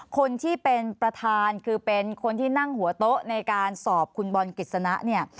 คนที่เป็นประธานคือเป็นคนที่นั่งหัวโต๊ะในการสอบคุณบอลกฤษณะเนี่ย